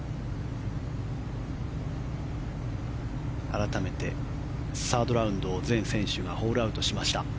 改めて、サードラウンドを全選手がホールアウトしました。